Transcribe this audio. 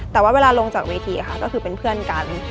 แต่ว่าเวลาลงจากเวทีค่ะก็คือเป็นเพื่อนกัน